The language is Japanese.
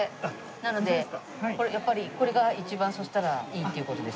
なのでやっぱりこれが一番そうしたらいいっていう事ですかね？